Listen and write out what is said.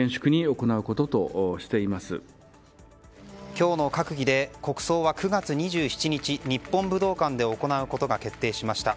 今日の閣議で国葬は９月２７日日本武道館で行うことを決定しました。